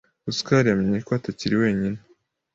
Gasukari yamenye ko atakiri wenyine.